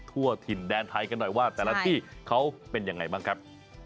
ทั่วถิ่นแดนไทยกันหน่อยว่าแต่ละที่เขาเป็นยังไงบ้างครับ